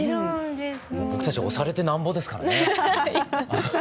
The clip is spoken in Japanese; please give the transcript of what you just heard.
僕たちは推されてなんぼですからね。